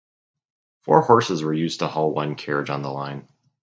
Four horses were used to haul one carriage on the line.